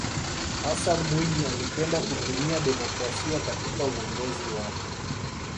hassan mwinyi alipenda kutumia demokrasia katika uongozi wake